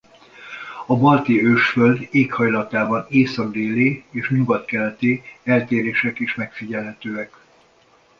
A Balti-ősföld éghajlatában észak-déli és nyugat-keleti eltérések is megfigyelhetőek.